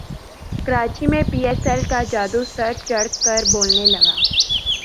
کراچی میں P S L کا جادو سر چڑھ کر بولنے لگا